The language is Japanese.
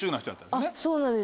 そうなんです